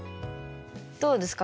どうですか？